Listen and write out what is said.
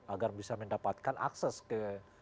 agar bisa mendapatkan akses ke